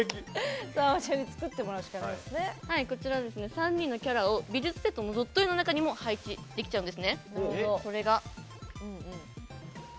３人のキャラを美術セットのドット絵の中にも配置できちゃうんですね。